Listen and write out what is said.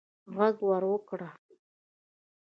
ږغ ور وکړه